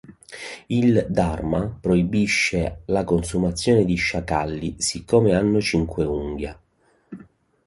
Il "dharma" proibisce la consumazione di sciacalli, siccome hanno cinque unghie.